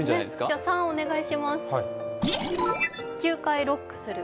じゃ３、お願いします。